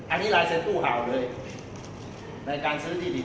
อันนี้ลายเซ็นตู้เห่าเลยในการซื้อที่ดิน